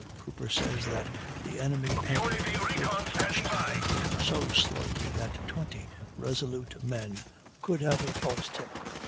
Cooper says that the enemy entered with great caution, and so slowly that twenty resolute men could have repulsed him.